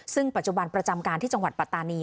ซึ่งปัจจุบันประจำการที่จังหวัดปัตตานี